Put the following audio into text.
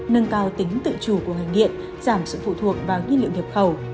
nâng cao tính tự chủ của ngành điện giảm sự phụ thuộc vào nhiên liệu nhập khẩu